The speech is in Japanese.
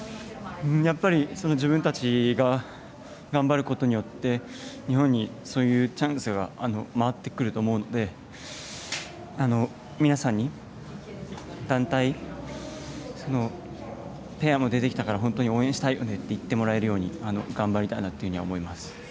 やっぱり自分たちが頑張ることによって日本に、そういうチャンスが回ってくると思うので皆さんに、団体ペアも出てきたから本当に応援したいよねって言ってもらえるように頑張りたいと思います。